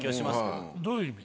どういう意味？